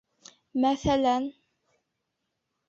Мәҫәлән...